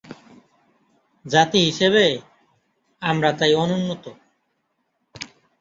জাতি হিসেবে আমরা তাই অনুন্নত।